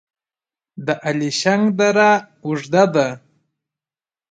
د الیشنګ دره اوږده ده